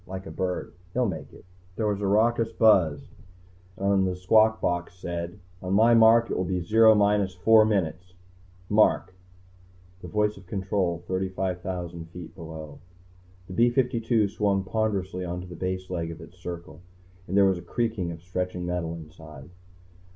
Like a bird. He'll make it." There was a raucous buzz, and a squawk box said: "On my mark it will be Zero minus four minutes ... mark!" The voice of Control, 35,000 feet below. The B 52 swung ponderously onto the base leg of its circle, and there was a creaking of stretching metal inside.